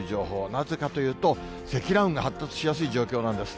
なぜかというと、積乱雲が発達しやすい状況なんです。